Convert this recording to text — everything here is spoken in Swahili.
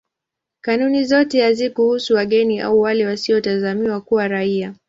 Kanuni zote hazikuhusu wageni au wale wasiotazamiwa kuwa raia.